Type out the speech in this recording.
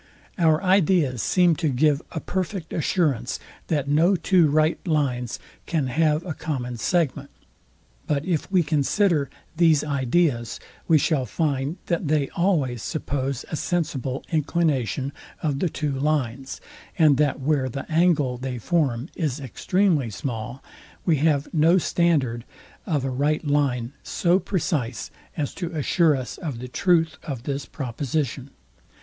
Our ideas seem to give a perfect assurance, that no two right lines can have a common segment; but if we consider these ideas, we shall find, that they always suppose a sensible inclination of the two lines, and that where the angle they form is extremely small, we have no standard of a I @ right line so precise as to assure us of the truth of this proposition.